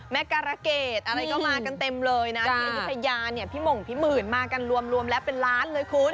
การะเกดอะไรก็มากันเต็มเลยนะที่อายุทยาเนี่ยพี่หม่งพี่หมื่นมากันรวมแล้วเป็นล้านเลยคุณ